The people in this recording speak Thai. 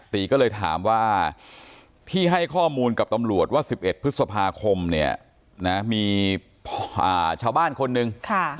ตีก็เลยถามว่าที่ให้ข้อมูลกับตำรวจว่า๑๑พฤษภาคมเนี่ยนะมีชาวบ้านคนหนึ่ง